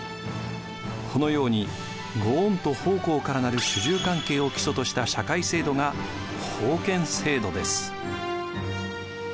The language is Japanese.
このように御恩と奉公から成る主従関係を基礎とした社会制度が封建制度です。